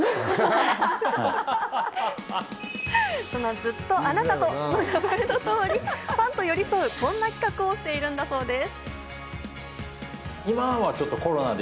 ずっとあなたとという通り、ファンと寄り添うこんな企画をしているんだそうです。